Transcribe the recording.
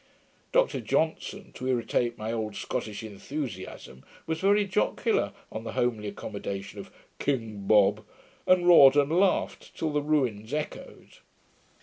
Dr Johnson, to irritate my old Scottish enthusiasm, was very jocular on the homely accommodation of 'King Bob', and roared and laughed till the ruins echoed.